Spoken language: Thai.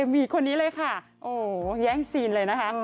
มีคนนี้เลยค่ะโอ้โหแย่งซีนเลยนะคะ